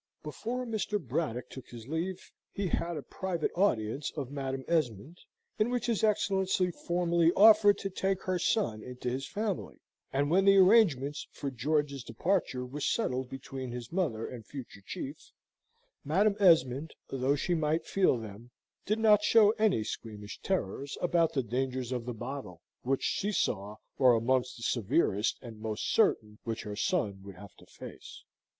Before Mr. Braddock took his leave, he had a private audience of Madam Esmond, in which his Excellency formally offered to take her son into his family; and when the arrangements for George's departure were settled between his mother and future chief, Madam Esmond, though she might feel them, did not show any squeamish terrors about the dangers of the bottle, which she saw were amongst the severest and most certain which her son would have to face.